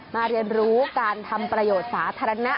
เรียนรู้การทำประโยชน์สาธารณะ